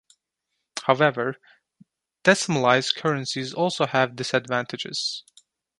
However, decimalised currencies also have disadvantages.